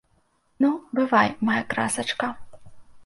Ну, бывай, мая красачка!